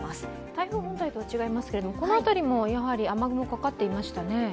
台風本体とは違いますけれどもこの辺りも、やや雨雲かかっていましたね？